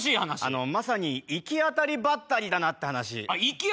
まさに行き当たりばったりだなって話。